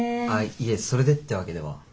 あっいえそれでってわけでは。